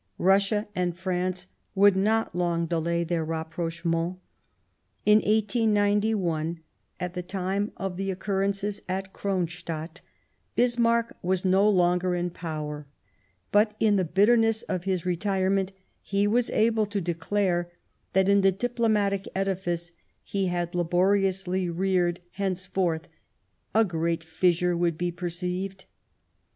Russia and France would not long delay their rapprochement. In 1891, at the time of the occur 190 The German Empire rences at Cronstadt, Bismarck was no longer in power ; but, in the bitterness of his retirement, he was able to declare that in the diplomatic edifice he had laboriously reared henceforth a great fissure would be perceived.